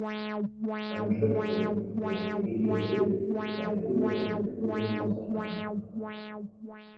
Seine Schöpfung, der PdL, sei ohne seine Führung auseinandergebrochen.